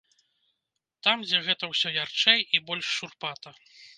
Там, дзе гэта ўсё ярчэй і больш шурпата.